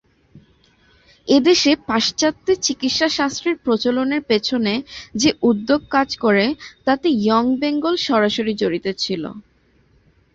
এদেশে পাশ্চাত্য চিকিৎসা শাস্ত্রের প্রচলনের পেছনে যে উদ্যোগ কাজ করে তাতে ইয়ং বেঙ্গল সরাসরি জড়িত ছিল।